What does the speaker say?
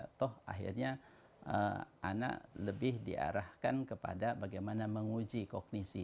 atau akhirnya anak lebih diarahkan kepada bagaimana menguji kognisi